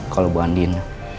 kalau bu andien